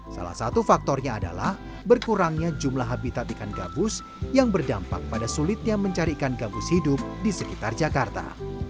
salah satu faktornya adalah berkurangnya jumlah habitat ikan gabus yang berdampak pada sulitnya mencari ikan gabus hidup di sekitar jakarta